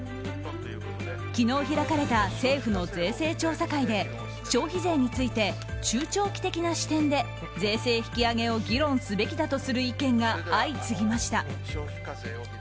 昨日開かれた政府の税制調査会で消費税について中長期的な視点で税制引き上げを議論すべきだとする意見が相次ぎました。